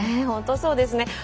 本当、そうですね。